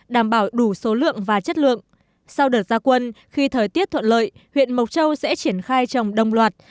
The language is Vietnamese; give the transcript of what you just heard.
đảm bảo đủ số lượng và chất lượng sau đợt gia quân khi thời tiết thuận lợi huyện mộc châu sẽ triển khai trồng đồng loạt